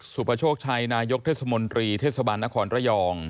ปโชคชัยนายกเทศมนตรีเทศบาลนครระยอง